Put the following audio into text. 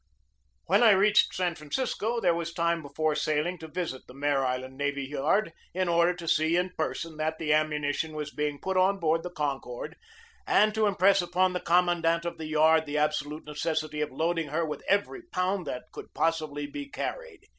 When I reached San Francisco there was time before sailing to visit the Mare Island Navy Yard in order to see in person that the ammunition was being put on board the Concord and to impress upon the commandant of the yard the absolute necessity of loading her with every pound that could possibly be carried.